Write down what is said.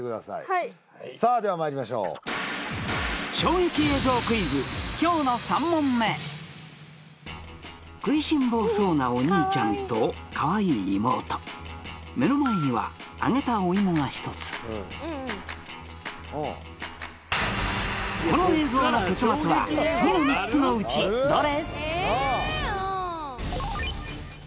はいさあではまいりましょう今日の３問目食いしん坊そうなお兄ちゃんとカワイイ妹目の前には揚げたおいもが１つ次の３つのうちどれ？